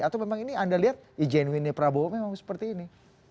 atau memang ini anda lihat genuinnya prabowo memang seperti ini